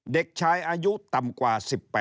เด็กชายอายุต่ำกว่า๑๘